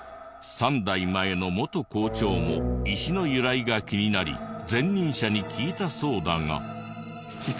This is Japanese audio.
３代前の元校長も石の由来が気になり前任者に聞いたそうだが。